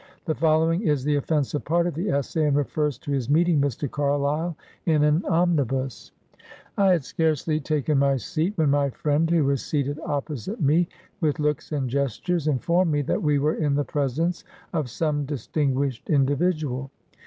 The following is the offensive part of the essay, and refers to his meeting Mr. Carlyle in an omnibus: — "I had scarcely taken my seat, when my friend, who was seated opposite me, with looks and gestures informed me that we w T ere in the presence of some dis guished individual.